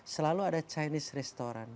selalu ada chinese restaurant